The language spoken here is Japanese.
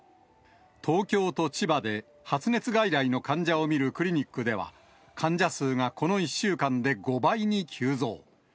東京と千葉で発熱外来の患者を診るクリニックでは、患者数がこの１週間で５倍に急増。